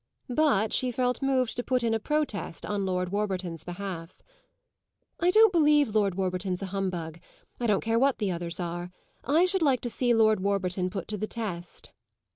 But she felt moved to put in a protest on Lord Warburton's behalf. "I don't believe Lord Warburton's a humbug; I don't care what the others are. I should like to see Lord Warburton put to the test."